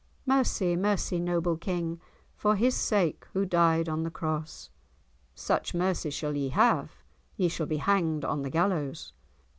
"Mercy, mercy, noble King, for His sake who died on the Cross." "Such mercy shall ye have; ye shall be hanged on the gallows."